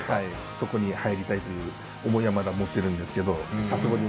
そこに入りたいという思いはまだ持ってるんですけど。